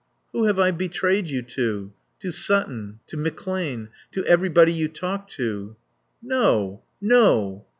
"Who have I betrayed you to?" "To Sutton. To McClane. To everybody you talked to." "No. No."